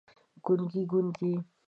ګونګي، ګونګي